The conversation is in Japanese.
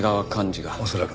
恐らくな。